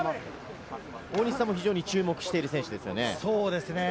大西さんも非常に注目してる選手ですね。